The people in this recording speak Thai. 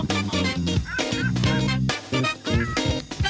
โปรดติดตามตอนต่อไป